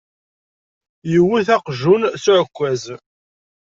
Yewet aqjun s uɛekkaz.